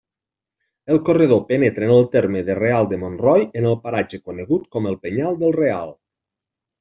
El corredor penetra en el terme de Real de Montroi en el paratge conegut com el Penyal del Real.